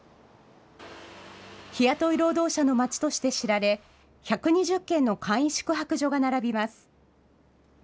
日雇い労働者の街として知られ、１２０件の簡易宿泊所が並びます。